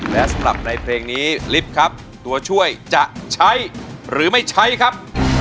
และสำหรับในเพลงนี้ลิฟต์ครับตัวช่วยจะใช้หรือไม่ใช้ครับ